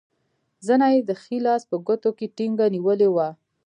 زنه یې د ښي لاس په ګوتو کې ټینګه نیولې وه.